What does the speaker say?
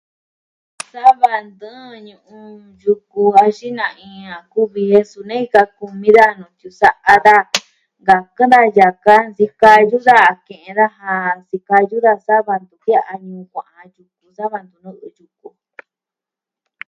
Sava ntɨɨn ñu'un yuku axin na iin a kuvi ji jen suu nejika kumi daja nuu tiñu sa'a daja, nkakɨn daja yaka nsikayu daja a ke'en daja sikayu daja sa va ntu jia'a ñu'un kua'an.